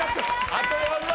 あと４問！